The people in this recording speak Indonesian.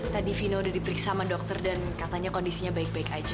tadi vino udah diperiksa sama dokter dan katanya kondisinya baik baik aja